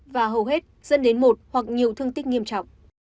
và hầu hết dẫn đến một hoặc nhiều thương tích nghiêm trọng